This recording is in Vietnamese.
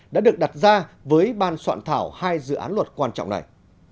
đã được đặt ra với ban soạn thảo hai dự án luật quan trọng này